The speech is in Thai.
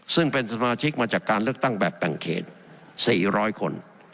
ซึ่งเป็นสมาชิกมาจากการเลือกตั้งแบบแบ่งเขต๔๐๐คน